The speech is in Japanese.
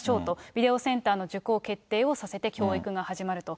ビデオセンターの受講決定をさせて教育が始まると。